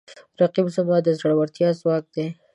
رقیب زما د زړورتیا ځواک دی